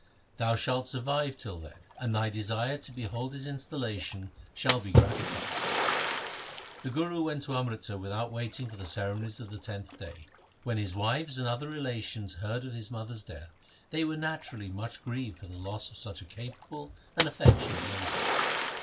Thou shalt survive till then, and thy desire to behold his instal lation shall be gratified.' The Guru went to Amritsar without waiting for the ceremonies of the tenth day. When his wives and other relations heard of his mother's death, they were naturally much grieved for the loss of such a capable and affectionate lady.